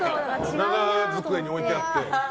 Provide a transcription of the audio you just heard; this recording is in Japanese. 長机に置いてあって。